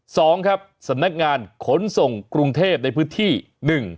สองครับสำนักงานขนส่งกรุงเทพในพื้นที่หนึ่ง